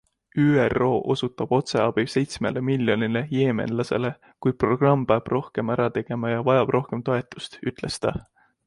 ÜRO osutab otseabi seitsmele miljonile jeemenlasele, kuid programm peab rohkem ära tegema ja vajab rohkem toetust, ütles ta.